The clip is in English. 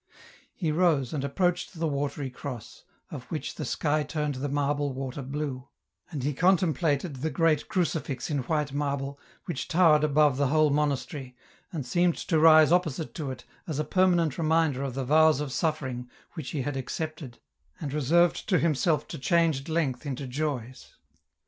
He rose, and approached the watery cross, of which the sky turned the marble water blue, and he contemplated the great crucifix in white marble, which towered above the whole monastery, and seemed to rise opposite to it as a permanent reminder of the vows of suffering which he had accepted, and reserved to himself to change at length iato joys.